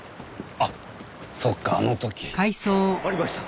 あっそっかあの時。ありました！